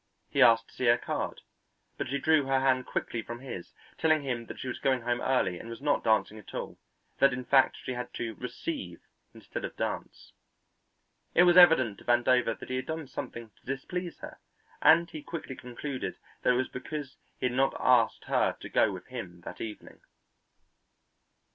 He asked to see her card, but she drew her hand quickly from his, telling him that she was going home early and was not dancing at all, that in fact she had to "receive" instead of dance. It was evident to Vandover that he had done something to displease her, and he quickly concluded that it was because he had not asked her to go with him that evening.